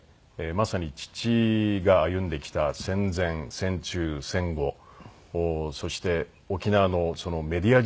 まさに父が歩んできた戦前戦中戦後そして沖縄のメディア事情ですよね。